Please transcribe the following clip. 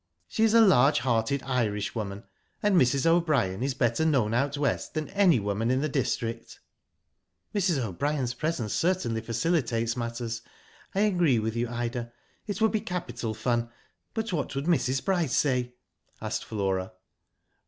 She is a large hearted Irish woman, and Mrs. O'Brien is better known out West than any woman in the district." " Mrs. O'Brien's presence certainly facilitates matters. I agree with you, Ida, it would be capital fun. But what would Mrs. Bryce say ?" asked Flora.